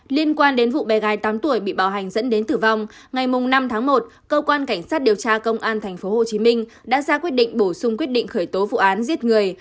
liên quan đến vụ bé gái tám tuổi bị bạo hành dẫn đến tử vong ngày năm tháng một cơ quan cảnh sát điều tra công an tp hcm đã ra quyết định bổ sung quyết định khởi tố vụ án giết người